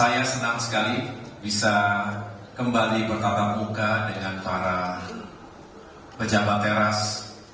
saya senang sekali bisa kembali bertatap muka dengan para pejabat teras